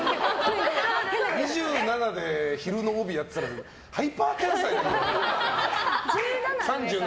２７で昼の帯やってたらハイパー天才。